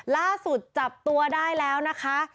ล่าสุดจับตัวได้แล้วนะคะ